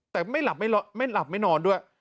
แต่ไม่หลับไม่นอนด้วย